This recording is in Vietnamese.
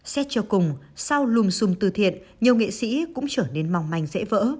xét cho cùng sau lùm xùm tư thiện nhiều nghệ sĩ cũng trở nên mỏng manh dễ vỡ